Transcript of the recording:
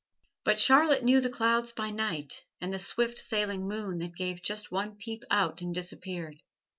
But Charlotte knew the clouds by night and the swift sailing moon that gave just one peep out and disappeared.